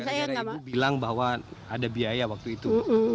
gara gara ibu bilang bahwa ada biaya waktu itu